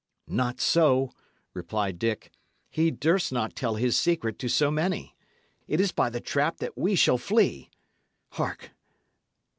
"Not so," replied Dick. "He durst not tell his secret to so many. It is by the trap that we shall flee. Hark!